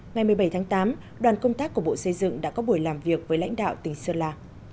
ngày một mươi bảy tháng tám đoàn công tác của bộ xây dựng đã có buổi làm việc với lãnh đạo tỉnh sơn la